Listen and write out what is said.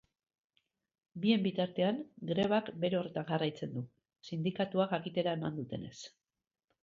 Bien bitartean, grebak bere horretan jarraitzen du, sindikatuak jakitera eman dutenez.